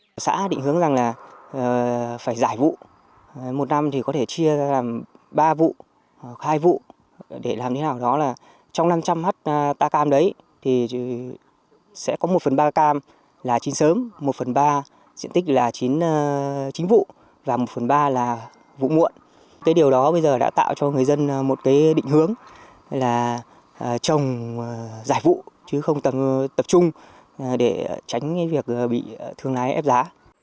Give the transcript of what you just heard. trong giải vụ chứ không tập trung để tránh việc bị thương lái ép giá